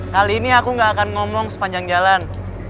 kali ini aku gak akan ngomong sepanjang jalan